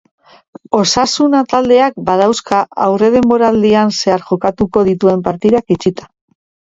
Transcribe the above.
Osasuna taldeak badauzka aurredenboraldian zehar jokatuko dituen partidak itxita.